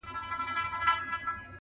پر ها بل یې له اسمانه ټکه لوېږي!